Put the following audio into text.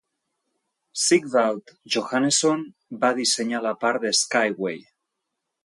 Sigvald Johannesson va dissenyar la part de Skyway.